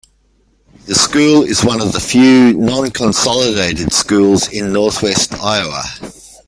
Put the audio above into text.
The school is one of the few non-consolidated schools in northwest Iowa.